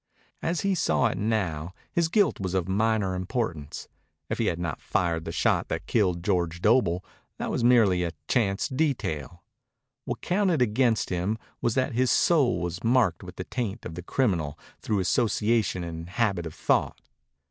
As he saw it now, his guilt was of minor importance. If he had not fired the shot that killed George Doble, that was merely a chance detail. What counted against him was that his soul was marked with the taint of the criminal through association and habit of thought.